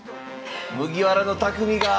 麦わらの匠が！